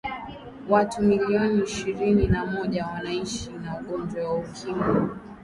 watu milioni ishirini na moja wanaishi na ugonjwa wa ukimwi